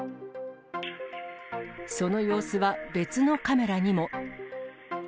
その様子は別のカメラにも。